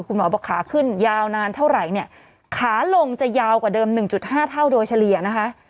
คุณหมอบอกขาขึ้นยาวนานเท่าไหร่เนี่ยขาลงจะยาวกว่าเดิม๑๕เท่าโดยเฉลี่ยนะคะ